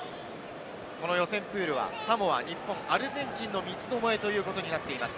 この予選プールはサモア、日本、アルゼンチンの三つどもえということになっています。